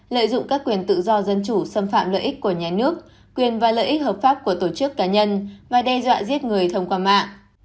lợi dụng các quyền tự do dân chủ xâm phạm lợi ích của nhà nước quyền và lợi ích hợp pháp của tổ chức cá nhân và đe dọa giết người thông qua mạng